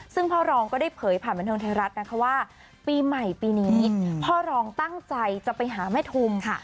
ซึ่งพ่อรองก็ได้เผยผ่านบันเทิงไทยรัฐนะคะว่าปีใหม่ปีนี้พ่อรองตั้งใจจะไปหาแม่ทุม